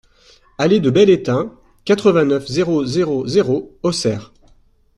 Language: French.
Allée de Bel Étain, quatre-vingt-neuf, zéro zéro zéro Auxerre